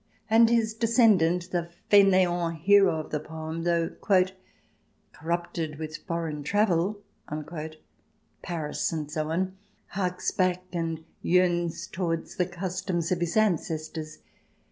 And his descendant, the faineant hero of the poem, though " corrupted with foreign travel," Paris and so on, harks back and yearns towards the customs of his ancestors.